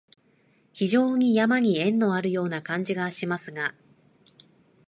非常に山に縁のあるような感じがしますが、